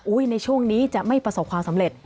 ในช่วงนี้จะไม่ประสบความสำเร็จ